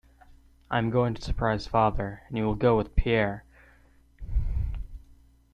I am going to surprise father, and you will go with Pierre.